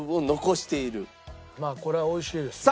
まあこれは美味しいですよね。